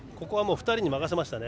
２人に任せましたね。